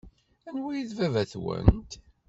Anwa ay d baba-twent?